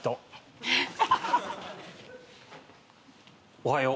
おはよう。